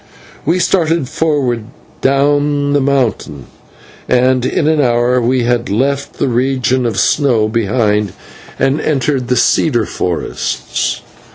We started forward down the mountain, and in an hour we had left the region of snow behind, and entered the cedar forests.